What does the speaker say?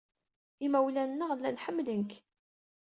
Imawlan-nneɣ llan ḥemmlen-k.